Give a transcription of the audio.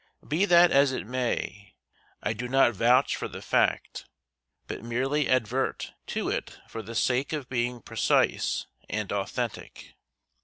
Be that as it may, I do not vouch for the fact, but merely advert to it for the sake of being precise and authentic.